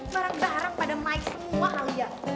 barang barang pada mike semua alia